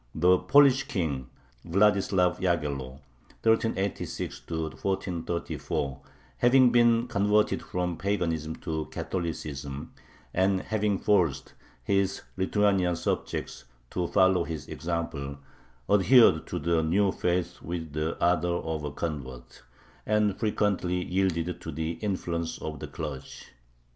The Polish king Vladislav Yaghello (1386 1434), having been converted from paganism to Catholicism, and having forced his Lithuanian subjects to follow his example, adhered to the new faith with the ardor of a convert, and frequently yielded to the influence of the clergy.